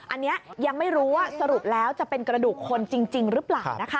อันนี้ยังไม่รู้ว่าสรุปแล้วจะเป็นกระดูกคนจริงหรือเปล่านะคะ